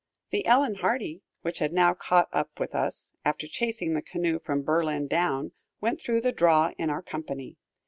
The "Ellen Hardy," which had now caught up with us, after chasing the canoe from Berlin down, went through the draw in our company.